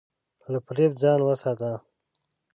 له فریب ځان وساته.